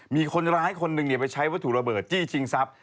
มีคนร้ายคนหนึ่งไปใช้วัตถุระเบิดจี้ชิงทรัพย